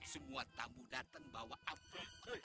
semua tamu datang bawa apa